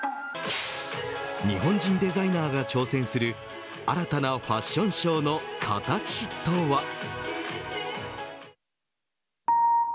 日本人デザイナーが挑戦する新たなファッションショーの形とは。